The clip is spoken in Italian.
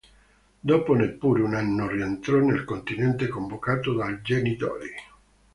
Dopo neppure un anno rientrò nel continente, convocato dal genitore.